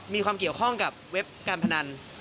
มีความเกี่ยวข้องกับเว็บการพนัน